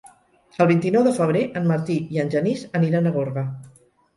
El vint-i-nou de febrer en Martí i en Genís aniran a Gorga.